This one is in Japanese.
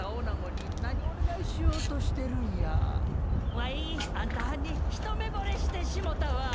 ワイあんたはんに一目ぼれしてしもたわ！